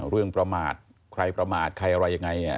เรื่องประมาทใครประมาทใครอะไรอย่างไร